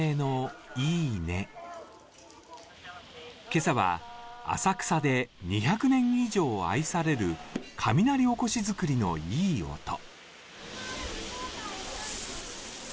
今朝は、浅草で２００年以上愛される雷おこし作りのいい音。